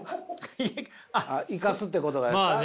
あっ生かすってことがですか？